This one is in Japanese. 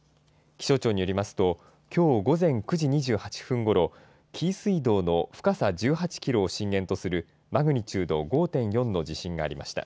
気象庁によりますと、きょう午前９時２８分ごろ、紀伊水道の深さ１８キロを震源とする、マグニチュード５．４の地震がありました。